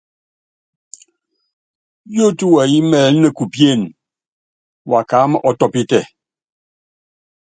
Yótí wɛyí mɛlɛ́ nekupíene, wakaáma ɔ́tɔ́pítɛ.